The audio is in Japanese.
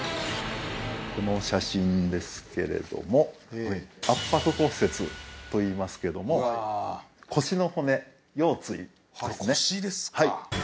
この写真ですけれども圧迫骨折といいますけども腰の骨腰椎ですね